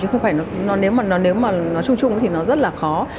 chứ không phải nếu mà nó chung chung thì nó rất là khó